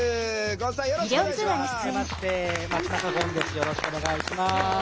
よろしくお願いします。